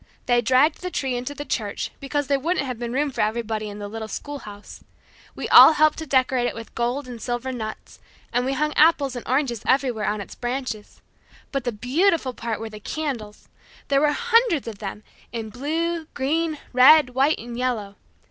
They dragged the tree into the church because there wouldn't have been room for everybody in the little school house. We all helped to decorate it with gold and silver nuts, and we hung apples and oranges everywhere on its branches. But the beautiful part were the candles. There were hundreds of them in blue, green, red, white and yellow.